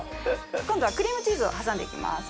今度はクリームチーズを挟んで行きます。